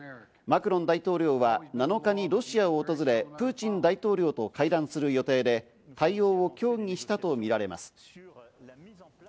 マクロン大統領は７日にロシアを訪れ、プーチン大統領と対談する予定で、対応を協議したとみられます。